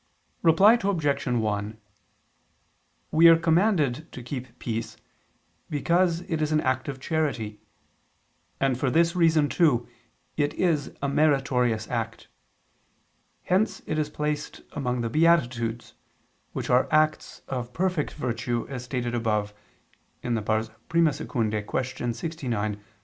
Reply Obj. 1: We are commanded to keep peace because it is an act of charity; and for this reason too it is a meritorious act. Hence it is placed among the beatitudes, which are acts of perfect virtue, as stated above (I II, Q. 69, AA.